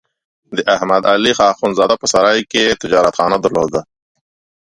د احمد علي اخوندزاده په سرای کې تجارتخانه درلوده.